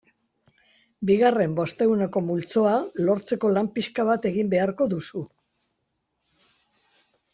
Bigarren bostehuneko multzoa lortzeko lan pixka bat egin beharko duzu.